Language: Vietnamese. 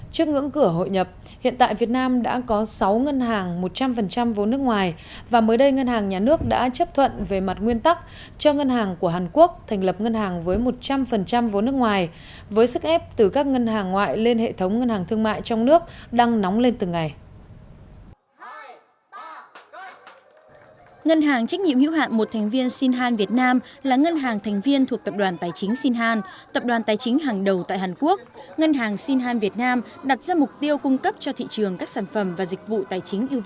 trước ngưỡng cửa hội nhập hiện tại việt nam đã có sáu ngân hàng một trăm linh vốn nước ngoài và mới đây ngân hàng nhà nước đã chấp thuận về mặt nguyên tắc cho ngân hàng của hàn quốc thành lập ngân hàng với một trăm linh vốn nước ngoài với sức ép từ các ngân hàng ngoại lên hệ thống ngân hàng thương mại trong nước đang nóng lên từng ngày